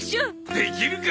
できるか！